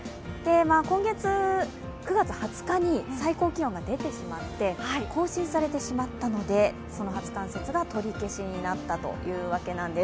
今月９月２０日に最高気温が出てしまって、更新されてしまったので、その初冠雪が取り消しになったというわけなんです。